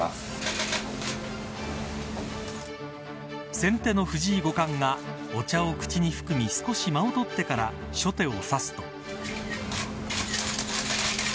先手の藤井五冠がお茶を口に含み少し間を取ってから初手を指すと。